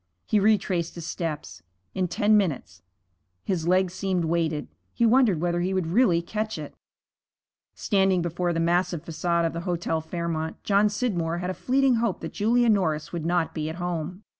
He retraced his steps. In ten minutes His legs seemed weighted. He wondered whether he would really catch it. Standing before the massive façade of the Hotel Fairmont, John Scidmore had a fleeting hope that Julia Norris would not be at home.